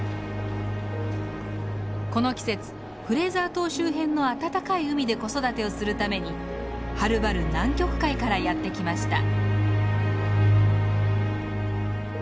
この季節フレーザー島周辺の暖かい海で子育てをするためにはるばる南極海からやってきました。